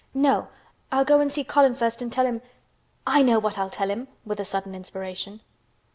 "No, I'll go and see Colin first and tell him—I know what I'll tell him," with a sudden inspiration.